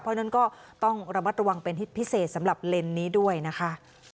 เพราะฉะนั้นก็ต้องระมัดระวังเป็นพิเศษสำหรับเลนส์นี้ด้วยนะคะ